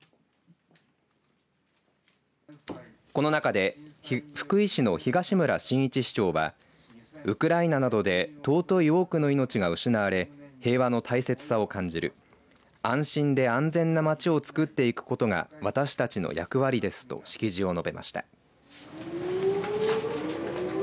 この中で福井市の東村新一市長はウクライナなどで尊い多くの命が失われ平和の大切さを感じる安心で安全なまちをつくっていくことが私たちの役割ですと式辞を述べました。